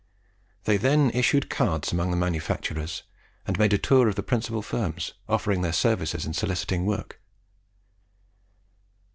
They then issued cards among the manufacturers, and made a tour of the principal firms, offering their services and soliciting work.